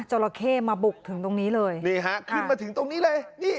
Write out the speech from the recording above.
ราเข้มาบุกถึงตรงนี้เลยนี่ฮะขึ้นมาถึงตรงนี้เลยนี่